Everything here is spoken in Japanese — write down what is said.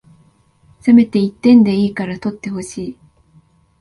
せめて一点でいいから取ってほしい